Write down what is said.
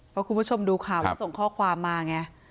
เพราะคุณผู้ชมดูข่าวแล้วส่งข้อความมาไง